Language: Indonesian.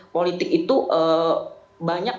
politik itu banyak